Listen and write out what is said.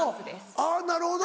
あぁなるほど。